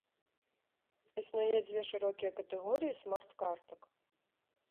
Існуе дзве шырокія катэгорыі смарт-картак.